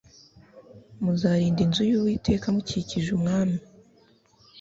muzarinda inzu y Uwiteka mukikije umwami